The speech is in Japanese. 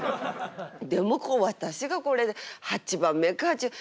でもこう私がこれで８番目かっちゅう。